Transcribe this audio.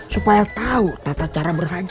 supaya tahu tata cara berhak